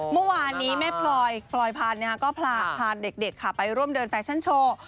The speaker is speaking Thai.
เมื่อวานนี้แม่พลอยพลอยพันธุ์ก็พาเด็กไปร่วมเดินแฟชั่นโชว์